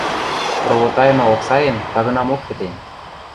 Ровотайымы оксаэм тагынамок пӹтен.